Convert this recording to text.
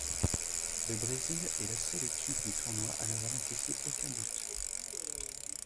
Le Brésil est la seule équipe du tournoi à n'avoir encaissé aucun but.